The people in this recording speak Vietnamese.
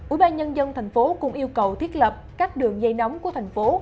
ủy ban nhân dân thành phố cũng yêu cầu thiết lập các đường dây nóng của thành phố